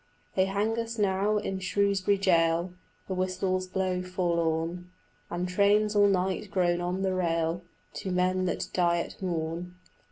They hang us now in Shrewsbury jail: The whistles blow forlorn, And trains all night groan on the rail To men that die at morn.